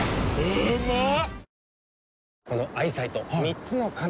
うまっ！